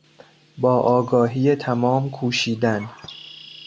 با آگاهی تمام کوشیدن